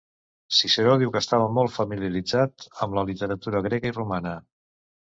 Ciceró diu que estava molt familiaritzat amb la literatura grega i romana.